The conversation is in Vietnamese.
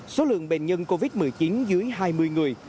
số lượng bệnh nhân covid một mươi chín dưới hai mươi người